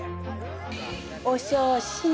おしょうしな。